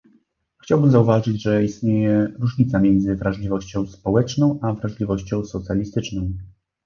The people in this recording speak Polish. Chciałbym zauważyć, że istnieje różnica między wrażliwością społeczną, a wrażliwością socjalistyczną